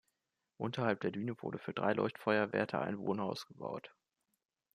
Unterhalb der Düne wurde für drei Leuchtfeuerwärter ein Wohnhaus gebaut.